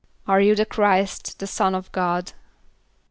="Are you the Chr[=i]st, the Son of God?"